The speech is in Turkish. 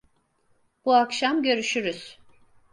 Bu akşam görüşürüz.